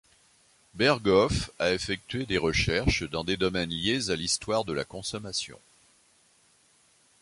Berghoff a effectué des recherches dans des domaines liés à l'Histoire de la consommation.